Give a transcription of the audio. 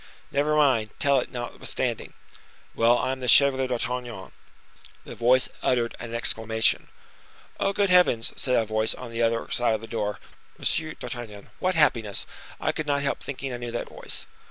"Never mind, tell it, notwithstanding." "Well, I am the Chevalier d'Artagnan." The voice uttered an exclamation. "Oh! good heavens!" said a voice on the other side of the door. "Monsieur d'Artagnan. What happiness! I could not help thinking I knew that voice."